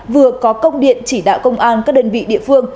vừa có công điện chỉ đạo công an các đơn vị địa phương